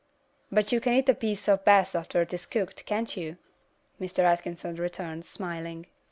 "But you can eat a piece of bass after it is cooked, can't you?" Mr. Atkinson returned, smiling.